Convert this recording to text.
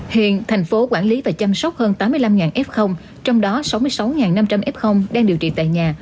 hiện thành phố quản lý và chăm sóc hơn tám mươi năm f trong đó sáu mươi sáu năm trăm linh f đang điều trị tại nhà